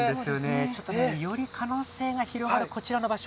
ちょっとより可能性の広がるこちらの場所。